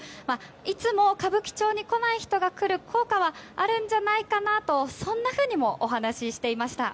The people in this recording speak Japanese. いつも歌舞伎町に来ない人が来る効果はあるんじゃないかなとそんなふうにもお話ししていました。